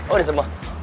oh udah semua